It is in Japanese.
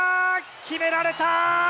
決められた。